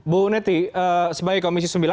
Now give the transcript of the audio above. bu neti sebagai komisi sembilan